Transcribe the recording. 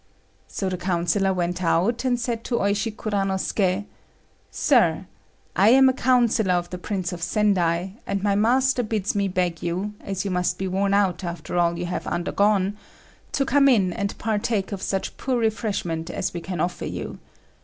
So the councillor went out and said to Oishi Kuranosuké: "Sir, I am a councillor of the Prince of Sendai, and my master bids me beg you, as you must be worn out after all you have undergone, to come in and partake of such poor refreshment as we can offer you.